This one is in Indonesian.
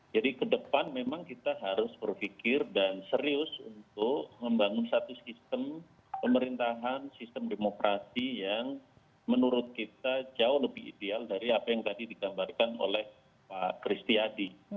jadi ke depan memang kita harus berpikir dan serius untuk membangun satu sistem pemerintahan sistem demokrasi yang menurut kita jauh lebih ideal dari apa yang tadi digambarkan oleh pak kristi adi